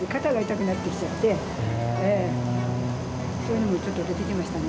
そういうのもちょっと出てきましたね。